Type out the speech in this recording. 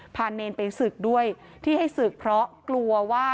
เนรไปศึกด้วยที่ให้ศึกเพราะกลัวว่า